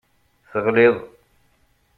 Teɣliḍ.